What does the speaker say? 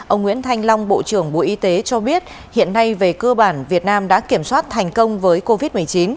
ông nguyễn thanh long bộ trưởng bộ y tế cho biết hiện nay về cơ bản việt nam đã kiểm soát thành công với covid một mươi chín